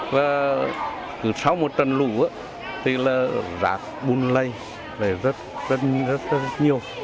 và sau một trận lụt thì là rạc bùn lây rất nhiều